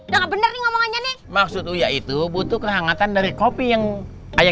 hai hah bener ngomongnya nih maksudnya itu butuh kehangatan dari kopi yang ayam